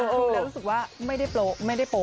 อยู่แรกรู้สึกว่าไม่ได้ไม่ได้โป